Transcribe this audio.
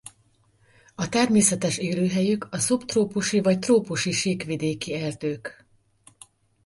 A természetes élőhelyük a szubtrópusi vagy trópusi síkvidéki erdők.